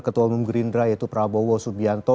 ketua umum gerindra yaitu prabowo subianto